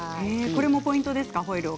これもポイントですか？